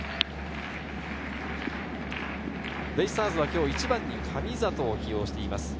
ベイスターズは今日、１番に神里を起用しています。